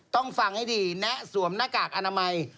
ต้องฟังให้ดีแนะสวมหน้ากากอนามัย